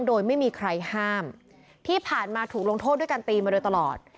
โดยไม่มีใครห้ามที่ผ่านมาถูกลงโทษด้วยการตีมาโดยตลอด